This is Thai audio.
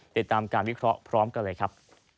ติดตามการวิเคราะห์พร้อมกันเลยครับ